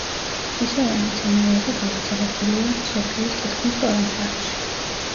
ფისოვანი მცენარეები გავრცელებულია მსოფლიოს თითქმის ყველა მხარეში.